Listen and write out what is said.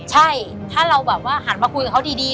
ใช่ถ้าเราหันมาคุยกับเขาดี